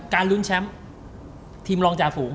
การลุ้นแชมป์